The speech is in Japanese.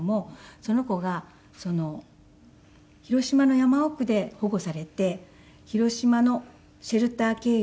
その子が広島の山奥で保護されて広島のシェルター経由で東京に。